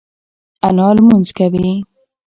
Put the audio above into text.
انا لمونځ کوي.